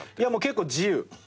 結構自由。